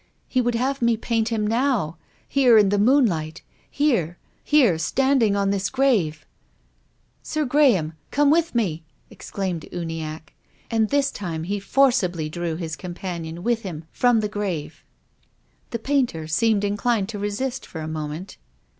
I Ic would have me paint him now, — here in the moonlight — here — here — standing on this grave !"" Sir Graham, come with me !" exclaimed Uniacke. And this time he forcibly drew his companion with him from the grave. The painter seemed in clined to resist for a moment.